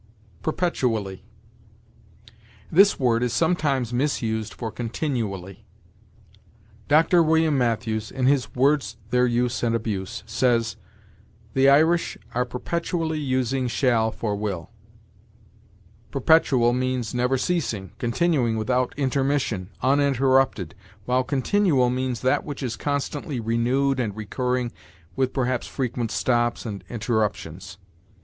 PERPETUALLY. This word is sometimes misused for continually. Dr. William Mathews, in his "Words, their Use and Abuse," says: "The Irish are perpetually using shall for will." Perpetual means never ceasing, continuing without intermission, uninterrupted; while continual means that which is constantly renewed and recurring with perhaps frequent stops and interruptions.